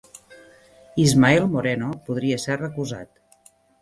Ismael Moreno podria ser recusat